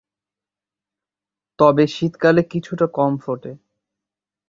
তবে শীতকালে কিছুটা কম ফোটে।